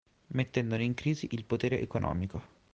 Mettendone in crisi il potere economico.